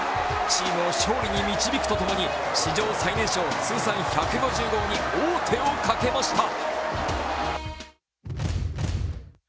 チームを勝利に導くとともに史上最年少、通算１５０号に王手をかけました。